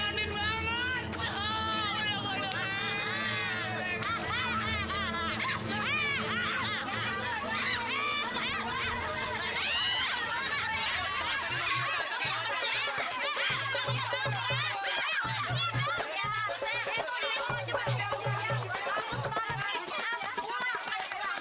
lu muka udah banyak banyak begitu masih aja perempuan